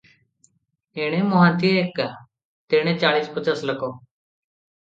ଏଣେ ମହାନ୍ତିଏ ଏକା- ତେଣେ ଚାଳିଶ ପଚାଶ ଲୋକ ।